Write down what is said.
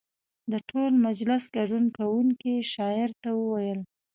د ټول مجلس ګډون کوونکو شاعر ته وویل.